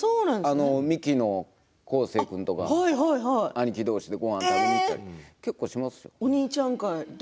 ミキの昴生君とか兄貴同士でごはん食べに行ったり結構します。